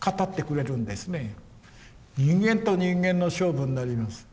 人間と人間の勝負になります。